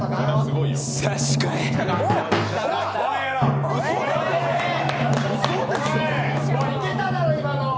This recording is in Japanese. いけただろう、今の！